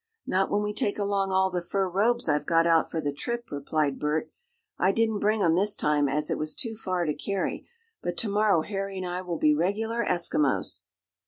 "Not when we take along all the fur robes I've got out for the trip," replied Bert. "I didn't bring 'em this time, as it was too far to carry. But to morrow Harry and I will be regular Eskimos."